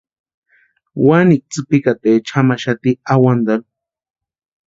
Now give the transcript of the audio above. Wani tsïpikataecha jamaxati awantarhu.